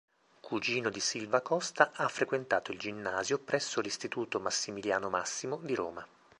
Cugino di Silvia Costa, ha frequentato il ginnasio presso l'istituto Massimiliano Massimo di Roma.